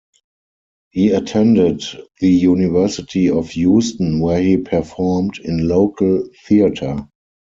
He attended the University of Houston, where he performed in local theatre.